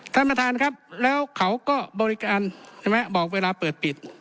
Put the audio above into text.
ท่านประธานครับแล้วเขาก็บริการใช่ไหมบอกเวลาเปิดปิด